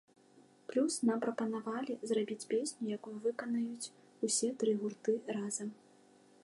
Плюс, нам прапанавалі зрабіць песню, якую выканаюць усе тры гурты разам.